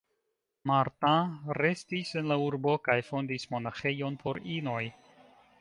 Marta restis en la urbo kaj fondis monaĥejon por inoj.